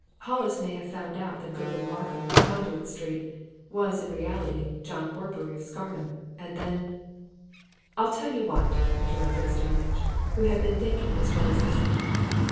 Hollis may have found out that Godwin Markham of Conduit Street was in reality John Horbury of Scarnham, and then " "I'll tell you what!" interrupted Starmidge, who had been thinking as well as listening.